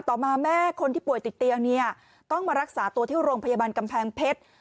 ต่อมาแม่คนที่ป่วยติดเตียงเนี่ยต้องมารักษาตัวที่โรงพยาบาลกำแพงเพชร